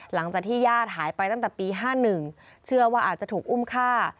หลังจากที่ญาติหายไปตั้งแต่ปี๕๑เชื่อว่าอาจจะถูกอุ้มฆ่า